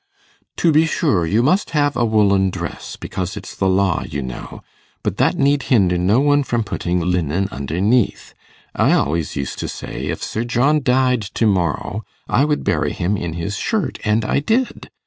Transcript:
'To be sure, you must have a woollen dress, because it's the law, you know; but that need hinder no one from putting linen underneath. I always used to say, "If Sir John died to morrow, I would bury him in his shirt;" and I did.